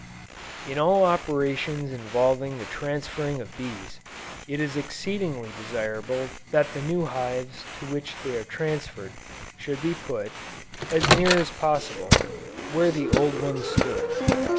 In all operations involving the transferring of bees, it is exceedingly desirable that the new hives to which they are transferred should be put, as near as possible, where the old ones stood.